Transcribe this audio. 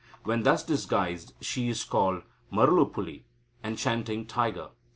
When thus disguised, she is called Marulupuli (enchanting tiger).